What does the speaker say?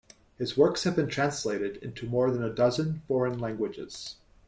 His works have been translated into more than a dozen foreign languages.